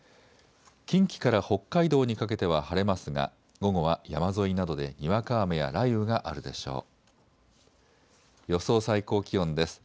近畿から北海道にかけては晴れますが午後は山沿いなどでにわか雨や雷雨があるでしょう。